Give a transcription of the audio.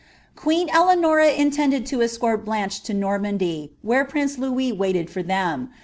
Queen Eleanors intended to be to Normandy, where prince Louia waited for them.'